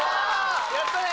やったね！